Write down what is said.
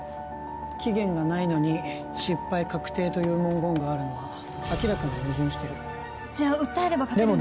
期限がないのに失敗確定という文言があるのは明らかに矛盾してるじゃ訴えれば勝てるんですか？